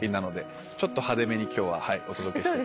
ちょっと派手めに今日はお届けして。